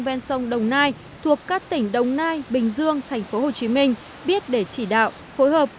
ven sông đồng nai thuộc các tỉnh đồng nai bình dương tp hcm biết để chỉ đạo phối hợp